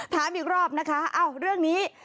ถามอีกรอบนะคะเรื่องนี้